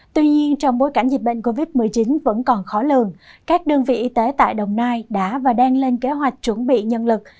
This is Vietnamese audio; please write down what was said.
tuy nhiên trong bối cảnh dịch bệnh covid một mươi chín vẫn còn khó lường các đơn vị y tế tại đồng nai đã và đang lên kế hoạch chuẩn bị nhân lực